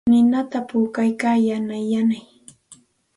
Ninata puukaa yanay yanay.